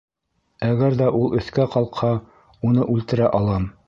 Әгәр ҙә ул өҫкә ҡалҡһа, уны үлтерә алам.